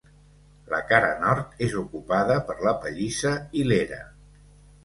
La cara nord és ocupada per la pallissa i l'era.